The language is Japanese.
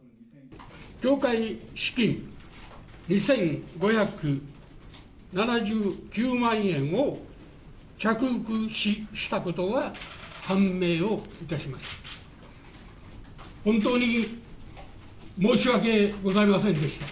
協会資金２５７９万円を着服したことが判明をいたしました。